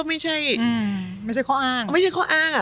ไม่ใช่ข้ออ้าง